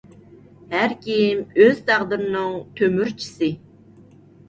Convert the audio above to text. ھەركىم ئۆز تەقدىرىنىڭ تۆمۈرچىسى!